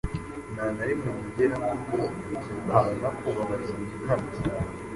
Ntanarimwe nigera mvuga aba nakubabaza nkana.